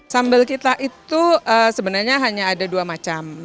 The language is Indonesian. sambal kita itu sebenarnya hanya ada dua macam